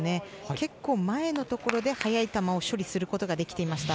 結構前のところで速い球を処理することができていました。